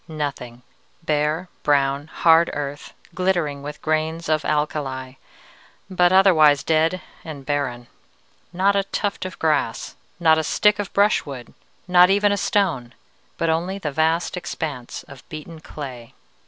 Nothing. Bare, brown, hard earth, glittering with grains of alkali, but otherwise dead and barren. Not a tuft of grass, not a stick of brushwood, not even a stone, but only the vast expanse of beaten clay.